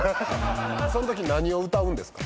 そのとき何を歌うんです？